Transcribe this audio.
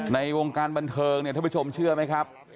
ในวงการบันเทิงถ้าผู้ชมเชื่อไหมครับ